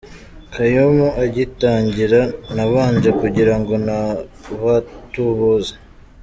Kaymu igitangira, nabanje kugirango ni abatubuzi.